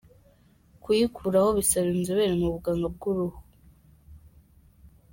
Kuyikuraho bisaba inzobere mu buganga bw’uruhu.